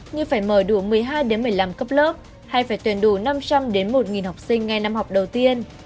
như phải mở đủ một mươi hai một mươi năm cấp lớp hay phải tuyển đủ năm trăm linh đến một học sinh ngay năm học đầu tiên